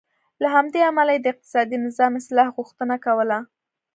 له همدې امله یې د اقتصادي نظام اصلاح غوښتنه کوله.